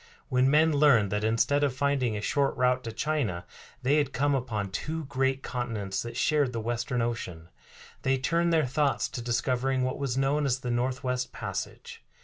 When men learned that instead of finding a short route to China they had come upon two great continents that shared the Western Ocean, they turned their thoughts to discovering what was known as the Northwest Passage.